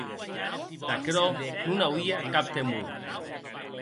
D’aquerò non n’auie cap temor.